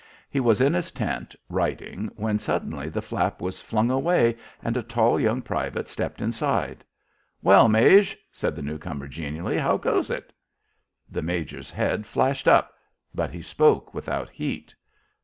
He was in his tent, writing, when suddenly the flap was flung away and a tall young private stepped inside. "Well, Maje," said the newcomer, genially, "how goes it?" The major's head flashed up, but he spoke without heat.